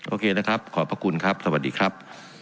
โอเคนะครับขอบพระคุณครับสวัสดีครับ